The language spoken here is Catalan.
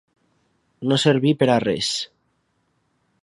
No servir per a res.